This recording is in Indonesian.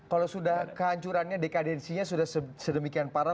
kalau sudah kehancurannya dekadensinya sudah sedemikian parah